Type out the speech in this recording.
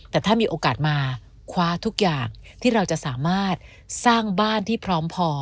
แต่ถ้ามีโอกาสมาคว้าทุกอย่างที่เราจะสามารถสร้างบ้านที่พร้อมพอ